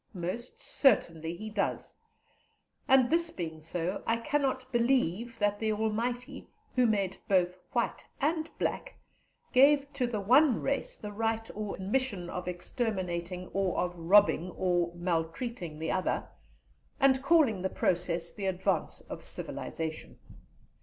Most certainly he does; and this being so, I cannot believe that the Almighty, who made both white and black, gave to the one race the right or mission of exterminating or of robbing or maltreating the other, and calling the process the advance of civilization.